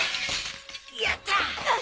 やったァ！